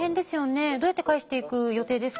どうやって返していく予定ですか？